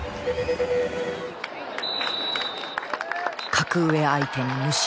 格上相手に無失点。